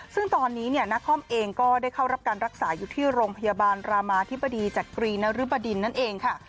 ซึ่งตอนนี้เนี่ยนครเองก็ได้เข้ารับการรักษาอยู่ที่โรงพยาบาลรามาธิบดีจักรีนรึบดินนั่นเองค่ะ